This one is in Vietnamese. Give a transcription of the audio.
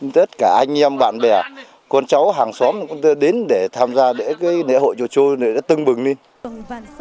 tất cả anh em bạn bè con cháu hàng xóm cũng đến để tham gia lễ hội chợ châu tưng bừng lên